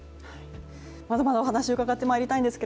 まだまだ、お話伺ってまいりたいんですが